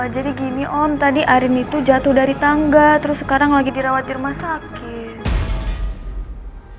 jadi gini om tadi arin itu jatuh dari tangga terus sekarang lagi dirawat di rumah sakit